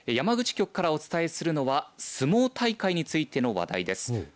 山口局からお伝えするのは相撲大会についての話題です。